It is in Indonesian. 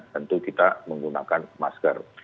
tentu kita menggunakan masker